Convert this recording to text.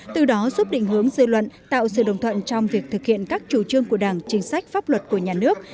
từ đó giúp định hướng dư luận tạo sự đồng thuận trong việc thực hiện các chủ trương của đảng chính sách pháp luật của nhà nước